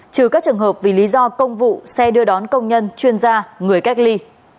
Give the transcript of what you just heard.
trừ các trường hợp vì lý do công vụ xe đưa đón công nhân chuyên gia người cách ly